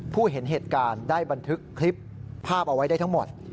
เห็นเหตุการณ์ได้บันทึกคลิปภาพเอาไว้ได้ทั้งหมด